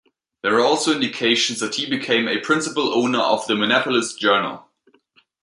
There are also indications that he became a principal owner of the "Minneapolis Journal".